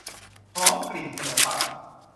หอมกลิ่นขนมปัง